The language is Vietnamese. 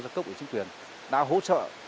cho cấp của chính quyền đã hỗ trợ